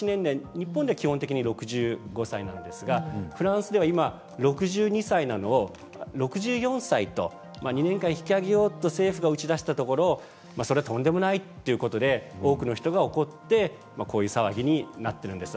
日本では基本的に６５歳なんですがフランスでは今６２歳を６４歳に引き上げようと政府が打ち出したところそれはとんでもないということで多くの人が怒って、こういう騒ぎになっているんです。